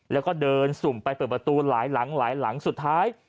แล้วก็เดินสุ่มไปเปิดประตูหลายหลังหลายหลังสุดท้าย